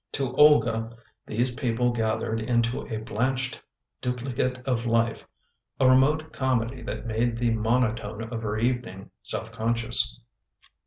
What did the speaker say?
To Olga these people gathered into a blanched dupli cate of life — a remote comedy that made the monotone of her evening self conscious.